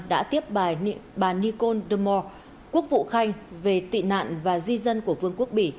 đã tiếp bài bà nicole demore quốc vụ khanh về tị nạn và di dân của vương quốc bỉ